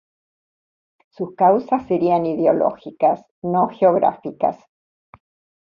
Sus causas serían ideológicas, no geográficas.